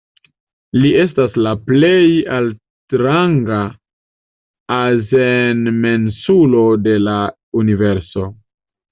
Li estas la plej altranga azenmensulo de la universo.